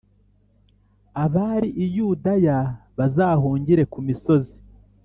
abari i Yudaya bazahungire ku misozi